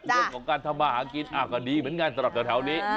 เรื่องของการทำมาหากินก็ดีเหมือนกันสำหรับแถวนี้